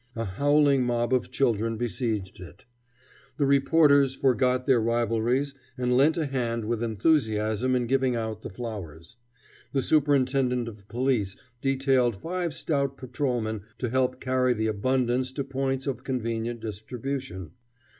A howling mob of children besieged it. The reporters forgot their rivalries and lent a hand with enthusiasm in giving out the flowers. The Superintendent of Police detailed five stout patrolmen to help carry the abundance to points of convenient distribution.